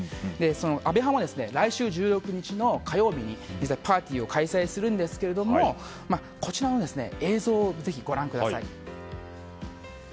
安倍派も来週１６日の火曜日に実はパーティーを開催するんですけどこちらの映像をご覧ください。